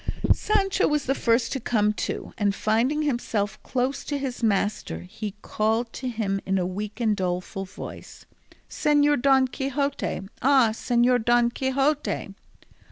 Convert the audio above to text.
Sancho was the first to come to, and finding himself close to his master he called to him in a weak and doleful voice, "Señor Don Quixote, ah, Señor Don Quixote!"